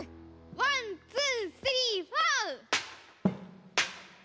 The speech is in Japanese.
ワンツースリーフォー！